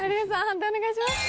判定お願いします。